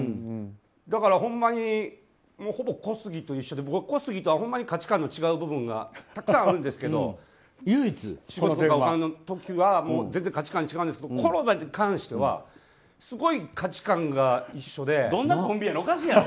だからほんまにほぼ小杉と一緒で小杉とは価値観が違う部分がたくさんあるんですけど仕事の時は価値観違うんですけどコロナに関してはすごい価値観がどんなコンビやねん！